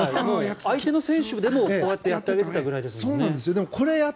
相手の選手でもこうやってやってあげてたくらいですもんね。